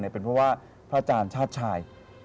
เป็นเพราะว่าพระอาจารย์ชาติชาย